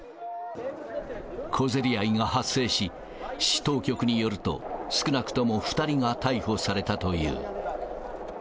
小競り合いが発生し、市当局によると、少なくとも２人が逮捕されたという。